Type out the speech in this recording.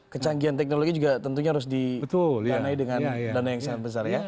kecanggihan teknologi juga tentunya harus didanai dengan dana yang sangat besar ya